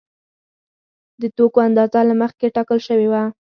د توکو اندازه له مخکې ټاکل شوې وه